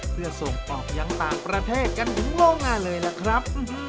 เพื่อส่งออกยังต่างประเทศกันถึงโรงงานเลยล่ะครับ